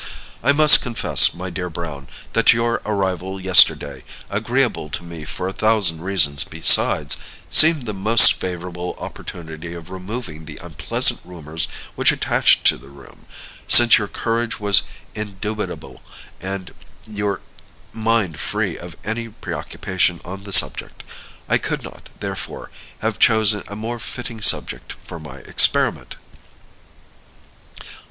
"I must confess, my dear Browne, that your arrival yesterday, agreeable to me for a thousand reasons besides, seemed the most favorable opportunity of removing the unpleasant rumors which attached to the room, since your courage was indubitable, and your mind free of any preoccupation on the subject. I could not, therefore, have chosen a more fitting subject for my experiment."